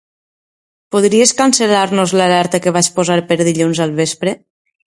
Podries cancel·lar-nos l'alerta que vaig posar per dilluns al vespre?